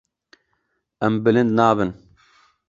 Em bilind nabin.